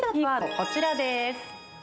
こちらです。